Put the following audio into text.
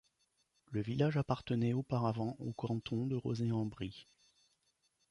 Le village appartenait auparavant au canton de Rozay-en-Brie.